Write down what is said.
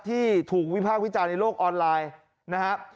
ที่ถูกวิพากษ์วิจารณ์ในโลกออนไลน์นะครับ